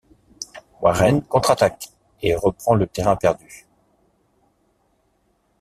Warren contre-attaque et reprend le terrain perdu.